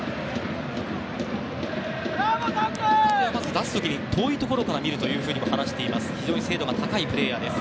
出す時に遠いところから見るという非常に精度が高いプレーヤーです